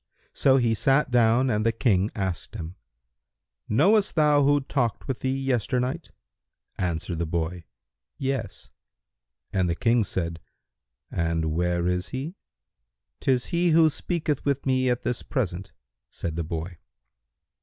So he sat down and the King asked him, "Knowest thou who talked with thee yesternight?" Answered the boy, "Yes," and the King said, "And where is he?" "'Tis he who speaketh with me at this present," said the boy.